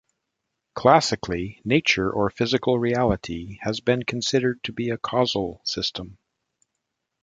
Classically, nature or physical reality has been considered to be a causal system.